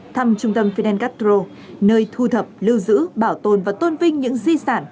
thăm trung tâm finengatro nơi thu thập lưu giữ bảo tồn và tôn vinh những di sản